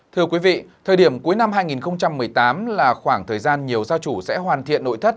thời điểm cuối năm hai nghìn một mươi tám là khoảng thời gian nhiều gia chủ sẽ hoàn thiện nội thất